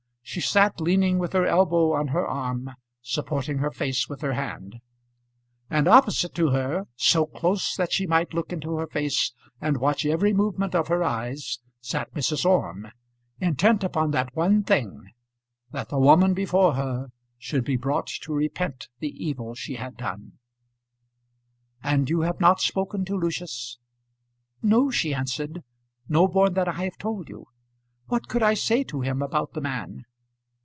She sat leaning with her elbow on her arm, supporting her face with her hand; and opposite to her, so close that she might look into her face and watch every movement of her eyes, sat Mrs. Orme, intent upon that one thing, that the woman before her should be brought to repent the evil she had done. "And you have not spoken to Lucius?" "No," she answered. "No more than I have told you. What could I say to him about the man?"